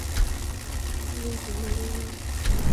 Nên chúng mình yêu nhau